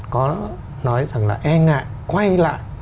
có nói rằng là e ngại quay lại